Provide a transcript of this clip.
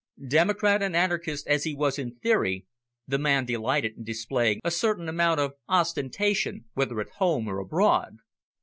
Democrat and anarchist as he was in theory, the man delighted in displaying a certain amount of ostentation, whether at home or abroad.